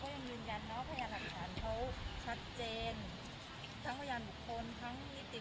พยายามหลักฐานเขาชัดเจนทั้งพยานบุคคลทั้งมิติวิทยาศาสตร์